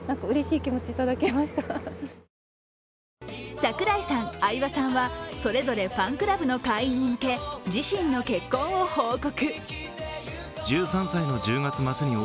櫻井さん、相葉さんはそれぞれファンクラブの会員に向け、自身の結婚を報告。